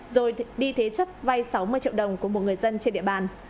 rồi đi thế chất vay sáu mươi triệu đồng của một người dân trên địa bàn